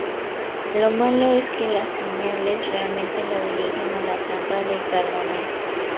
Lo malo es que las señales realmente lo dirigen a la trampa de Gargamel.